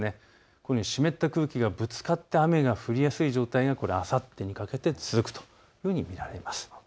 このように湿った空気がぶつかって雨が降りやすい状態があさってにかけて続くと見られます。